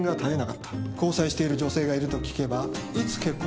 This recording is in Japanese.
交際している女性がいると聞けば「いつ結婚するの？」